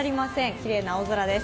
きれいな青空です。